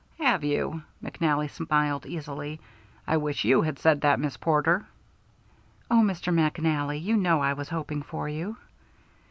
"Have you?" McNally smiled easily. "I wish you had said that, Miss Porter." "Oh, Mr. McNally, you know I was hoping for you."